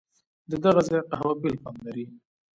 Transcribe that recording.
ددغه ځای قهوه بېل خوند لري.